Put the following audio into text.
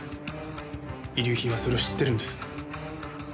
遺留品はそれを知ってるんです。